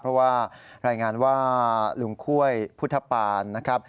เพราะว่ารายงานว่าลุงค่วยพุทธปานนะครับ